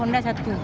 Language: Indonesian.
anak udah ada tiga